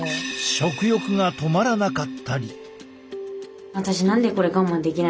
食欲が止まらなかったり。